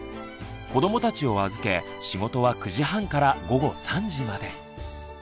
子どもたちを預け仕事は９時半から午後３時まで。